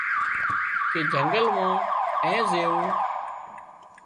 ڪي جنگل مان اين زويوون